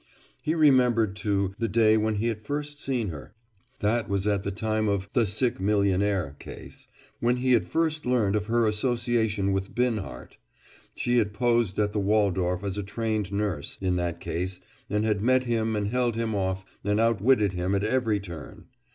He remembered, too, the day when he had first seen her. That was at the time of "The Sick Millionaire" case, when he had first learned of her association with Binhart. She had posed at the Waldorf as a trained nurse, in that case, and had met him and held him off and outwitted him at every turn.